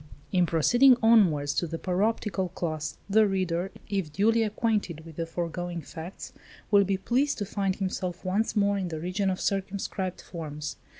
In proceeding onwards to the paroptrical class, the reader, if duly acquainted with the foregoing facts, will be pleased to find himself once more in the region of circumscribed forms.